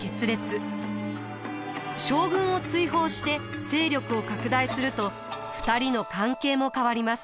将軍を追放して勢力を拡大すると２人の関係も変わります。